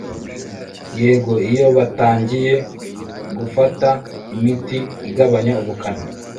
yego, iyo batangiye gufata imiti igabanya ubukana